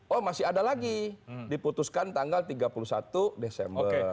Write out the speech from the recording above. oh masih ada lagi diputuskan tanggal tiga puluh satu desember